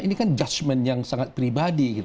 ini kan judgement yang sangat pribadi